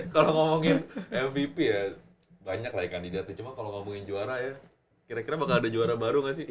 kalau ngomongin mvp ya banyak lah ya kandidatnya cuma kalau ngomongin juara ya kira kira bakal ada juara baru nggak sih